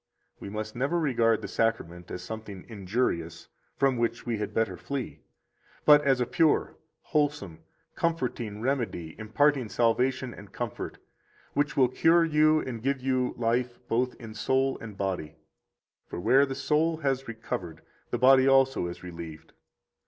68 We must never regard the Sacrament as something injurious from which we had better flee, but as a pure, wholesome, comforting remedy imparting salvation and comfort, which will cure you and give you life both in soul and body. For where the soul has recovered, the body also is relieved.